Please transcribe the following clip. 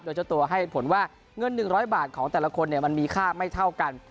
โดยเจ้าตัวให้ผลว่าเงิน๑๐๐บาทของแต่ละคนมันมีค่าไม่เท่ากัน